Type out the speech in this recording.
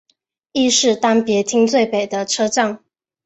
亦是当别町最北的车站。